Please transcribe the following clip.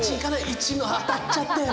１の当たっちゃったよ